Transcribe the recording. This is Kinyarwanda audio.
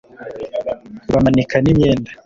bamanika n'imyenda